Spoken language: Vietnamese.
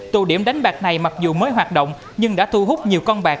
tù điểm đánh bạc này mặc dù mới hoạt động nhưng đã thu hút nhiều con bạc